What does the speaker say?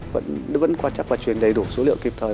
vẫn quan chắc và truyền đầy đủ số liệu kịp thời